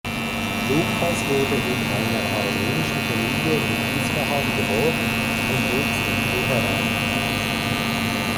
Lucas wurde in einer armenischen Familie in Isfahan geboren und wuchs in Teheran auf.